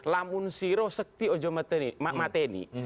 lamun siro sekti ojo mateni